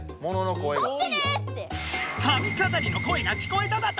かみかざりの声が聞こえただと！